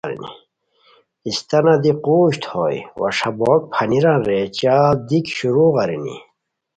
استانہ دی قوژد ہوئے وا ݰابوک پھانیران رے چا ڑ دیک شروع ارینی